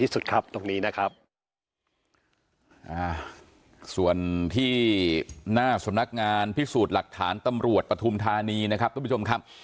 ส่วนที่หน้าสนักงานพิสูจน์หลักฐานตำรวจปฐุมธานีนะครับบ้าประทิบพี่ครับ